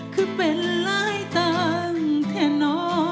คือเป็นหลายตังค์แค่นอ